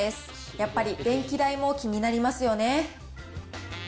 やっぱり電気代も気になりますよね。